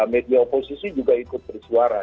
media oposisi juga ikut bersuara